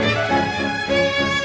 aku mau denger